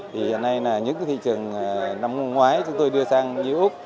thì hôm nay là những cái thị trường năm hôm ngoái chúng tôi đưa sang như úc